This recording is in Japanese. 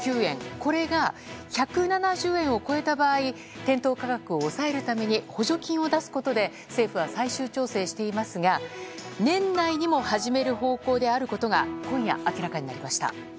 これが１７０円を超えた場合店頭価格を抑えるために補助金を出すことで政府は最終調整していますが年内にも始める方向であることが今夜、明らかになりました。